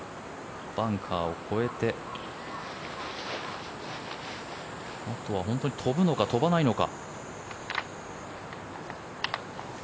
バンカーを越えてあとは本当に飛ぶのか飛ばないのか。